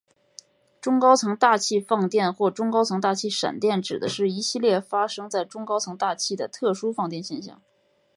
中高层大气放电或中高层大气闪电指的是一系列发生在中高层大气的特殊放电现象。